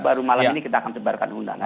baru malam ini kita akan sebarkan undangan